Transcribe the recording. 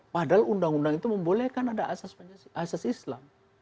padahal undang undang itu membolehkan ada asas islam